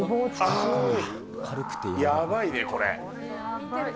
やばいね、これ。